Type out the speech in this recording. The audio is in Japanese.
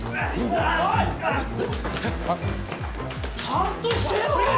ちゃんとしてよ！